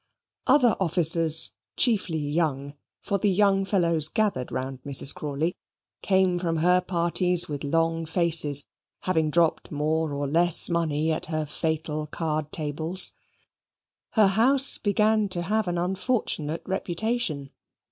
Other officers, chiefly young for the young fellows gathered round Mrs. Crawley came from her parties with long faces, having dropped more or less money at her fatal card tables. Her house began to have an unfortunate reputation.